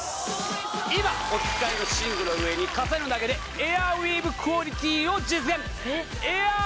今お使いの寝具の上に重ねるだけでエアウィーヴクオリティーを実現